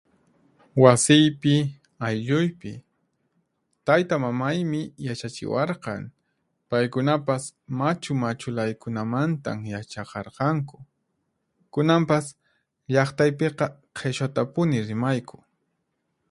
Wasiypi, aylluypi. Tayta mamaymi yachachiwarqan, paykunapas machu machulaykunamantan yachaqarqanku. Kunanpas llaqtaypiqa qhichwatapuni rimayku.